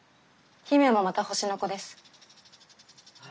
姫もまた星の子です。